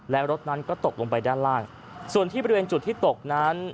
และรถนั้นก็ตกลงไปด้านล่างส่วนที่บริเวณจุดที่ตกนั้น